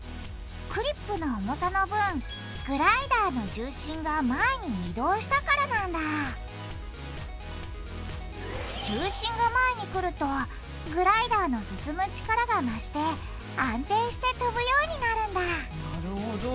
クリップの重さの分グライダーの重心が前に移動したからなんだ重心が前に来るとグライダーの進む力が増して安定して飛ぶようになるんだなるほど。